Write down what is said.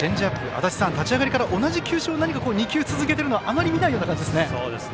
足達さん、立ち上がりから同じ球種を何か、２球続けているのはあまり見ない感じですね。